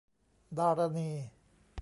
ดารณี